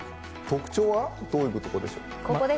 特徴はどういったことでしょう？